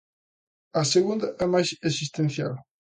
A segunda é máis existencial.